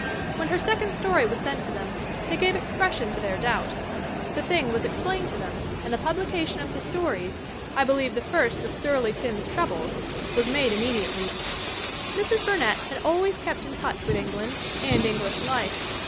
When her second story was sent to them, they gave expression to their FRANCES HODGSON BURNETT 359 doubt. The thing was explained to them, and the publication of the stories I believe the first was Surly Tim's Troubles was made immediately. "Mrs. Burnett has always kept in touch with Eng land and English life.